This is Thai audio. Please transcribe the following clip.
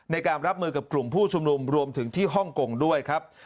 ในการรับมือกับกลุ่มผู้ชุมนุมรวมถึงที่ฮ่องกงด้วยครับ